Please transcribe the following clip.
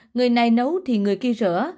người này nấu thì người kia rửa